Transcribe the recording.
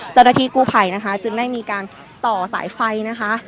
เจ้าหน้าที่กู้ภัยนะคะจึงได้มีการต่อสายไฟนะคะ